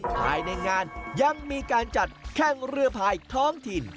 ภายในงานยังมีการจัดแข้งเรือพายท้องถิ่น